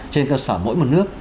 trên cơ sở mỗi một nước